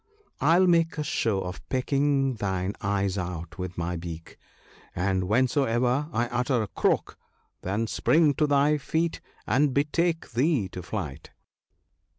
I will make a show of pecking thine eyes out with my beak ; and whensoever I utter a croak, then spring to thy feet and betake thee to flight."